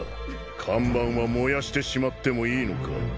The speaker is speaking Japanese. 看板は燃やしてしまってもいいのか？